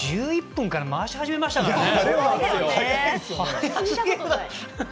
１１分から回し始めましたからね。